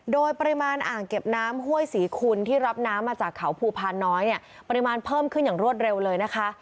โดยปริมาณอ่างเก็บน้ำห้วยศรีคุณที่รับน้ำมาจากเขาภูพานน้อยเนี่ยปริมาณเพิ่มขึ้นอย่างรวดเร็วเลยนะคะ